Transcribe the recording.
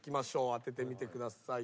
当ててみてください。